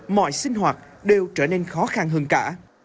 mọi sinh hoạt đều trở nên khó khăn hơn cả